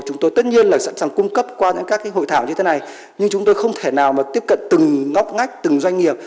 chúng tôi tất nhiên là sẵn sàng cung cấp qua những các hội thảo như thế này nhưng chúng tôi không thể nào mà tiếp cận từng ngóc ngách từng doanh nghiệp